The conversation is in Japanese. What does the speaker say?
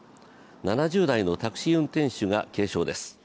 ７０代のタクシー運転手が軽傷です。